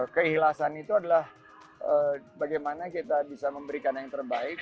keikhlasan itu adalah bagaimana kita bisa memberikan yang terbaik